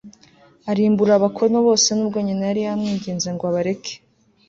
arimbura abakono bose n'ubwo nyina yari yamwinginze ngo abareke